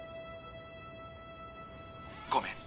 ごめん。